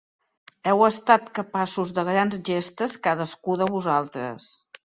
Heu estat capaços de grans gestes, cadascú de vosaltres.